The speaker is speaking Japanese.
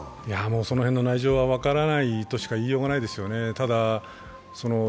その辺の内情は分からないとしか言いようがないですよね。